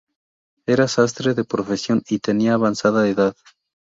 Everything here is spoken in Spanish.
Era sastre de profesión y tenía avanzada edad.